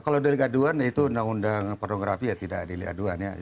kalau delik aduan ya itu undang undang pornografi ya tidak delik aduan ya